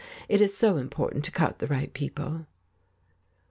It is so important to cut the right people."